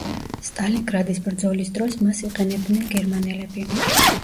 სტალინგრადის ბრძოლის დროს მას იყენებდნენ გერმანელები.